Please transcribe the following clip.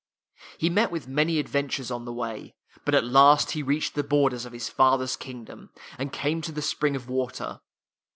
He met with many adventures on the way, but at last he reached the borders of his father's kingdom, and came to the spring of water.